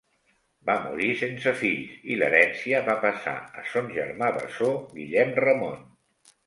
Va morir sense fills i l'herència va passar a son germà bessó Guillem Ramon.